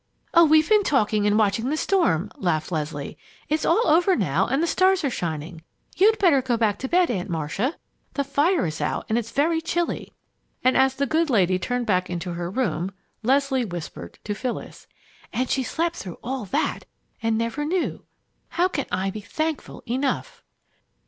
"Oh, we've been talking and watching the storm!" laughed Leslie. "It's all over now, and the stars are shining. You'd better go back to bed, Aunt Marcia. The fire's out and it's very chilly!" And as the good lady turned back into her room Leslie whispered to Phyllis, "And she slept through all that and never knew! How can I be thankful enough!"